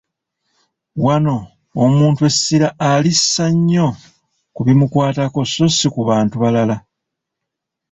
Wano omuntu essira alissa nnyo ku bimukwatako, so si ku bantu balala.